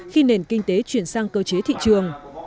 khi nền kinh tế chuyển sang cơ chế thị trường